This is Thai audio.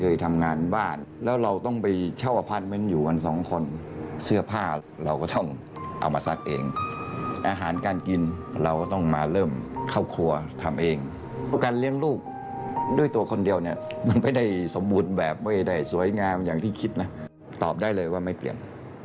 อย่างที่คิดนะตอบได้เลยว่าไม่เปลี่ยน